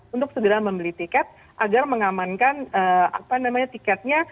untuk segera membeli tiket agar mengamankan tiketnya